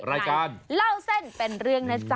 รายการเล่าเส้นเป็นเรื่องนะจ๊